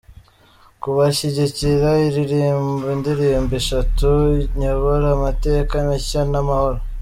kubashyigikira iririmba indirimbo eshatu: Nyobora, Amateka mashya n Amahoro.